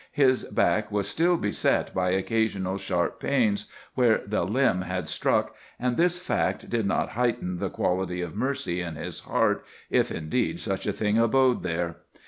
His back was still beset by occasional sharp pains where the limb had struck, and this fact did not heighten the quality of mercy in his heart, if, indeed, such a thing abode there.